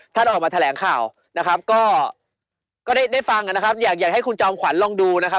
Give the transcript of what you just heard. ท่านออกมาแถลงข่าวนะครับก็ได้ได้ฟังนะครับอยากให้คุณจอมขวัญลองดูนะครับ